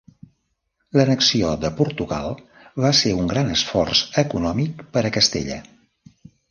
L'annexió de Portugal va ser un gran esforç econòmic per a Castella.